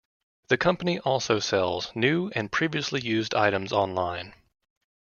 The company also sells new and previously used items online.